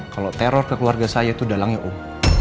kalau teror ke keluarga saya itu dalangnya om